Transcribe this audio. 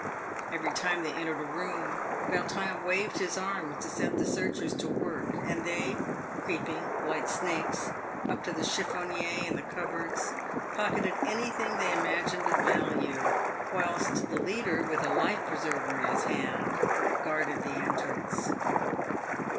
Every time they entered a room, Vautrin waved his arm to set the searchers to work, and they, creeping, like snakes, up to the chiffonniers and cup boards, pocketed anything they imagined of value, whilst the leader, with a life preserver in his hand, guarded the entrance.